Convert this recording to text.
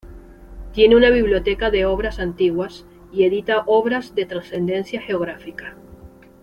Tiene una biblioteca de obras antiguas y edita obras de trascendencia geográfica.